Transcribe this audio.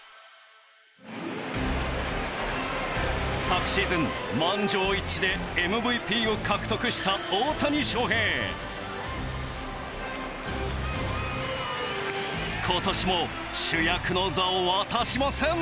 昨シーズン満場一致でＭＶＰを獲得した今年も主役の座を渡しません！